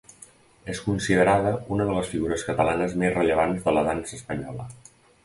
És considerada una de les figures catalanes més rellevants de la dansa espanyola.